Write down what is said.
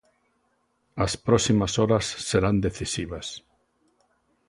As próximas horas serán decisivas.